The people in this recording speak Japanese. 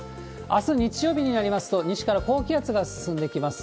あす日曜日になりますと、西から高気圧が進んできます。